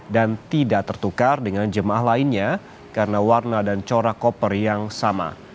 dan tidak tertukar dengan jemaah lainnya karena warna dan corak koper yang sama